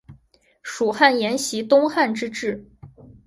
蜀汉沿袭东汉之制。